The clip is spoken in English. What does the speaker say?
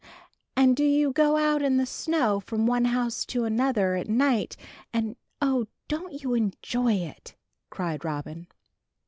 "And do you go out in the snow from one house to another at night; and oh, don't you enjoy it?" cried Robin.